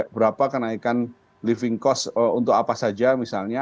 berapa kenaikan living cost untuk apa saja misalnya